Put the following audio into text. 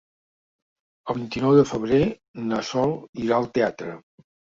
El vint-i-nou de febrer na Sol irà al teatre.